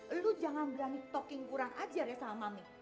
eh lo jangan berani talking kurang ajar ya sama mami